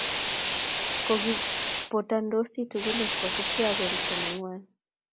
Kokibotantosi tugul kosubkei ak koristo ne ngwan